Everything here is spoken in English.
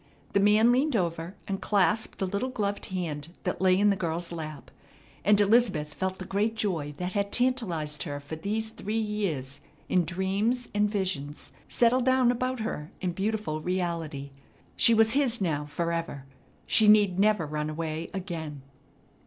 The man leaned over, and clasped the little gloved hand that lay in the girl's lap; and Elizabeth felt the great joy that had tantalized her for these three years in dreams and visions settle down about her in beautiful reality. She was his now forever. She need never run away again.